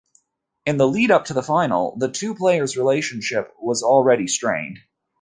In the lead-up to the final, the two players' relationship was already strained.